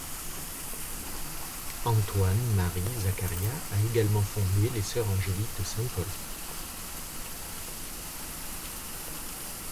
Antoine-Marie Zaccaria a également fondé les Sœurs angéliques de Saint-Paul.